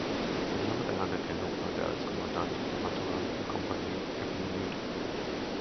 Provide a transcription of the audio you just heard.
Besondere Anerkennung fand er als Kommandant der „Maturanten-Kompanie“ der Pioniertruppe.